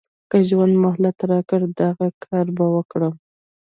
که ژوند مهلت راکړ دغه کار به وکړم.